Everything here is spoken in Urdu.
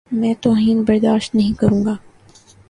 میں توہین برداشت نہیں کروں گا۔